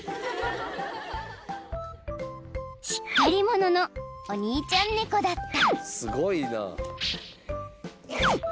［しっかり者のお兄ちゃん猫だった］